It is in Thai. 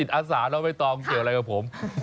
ทหารเราไม่ต้องเกี่ยวอะไรกับผม